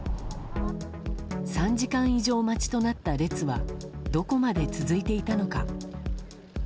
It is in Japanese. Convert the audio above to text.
３時間以上待ちとなった列はどこまで続いていたのか。